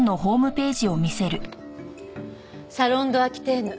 サロン・ド・アキテーヌ。